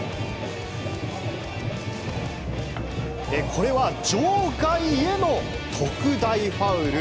これは場外への特大ファウル。